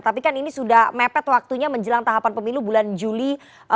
tapi kan ini sudah mepet waktunya menjelang tahapan pemilu bulan juli dua ribu dua puluh